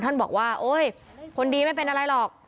ท่านบอกว่าโอ๊ยคนดีไม่เป็นอะไรหรอก